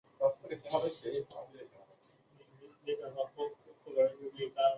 有腺泡花树为清风藤科泡花树属下的一个变种。